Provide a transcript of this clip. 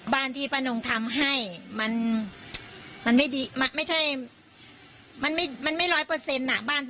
บ้านที่ป้านงทำให้มันไม่ดีมันไม่ใช่มันไม่ร้อยเปอร์เซ็นต์อ่ะบ้าน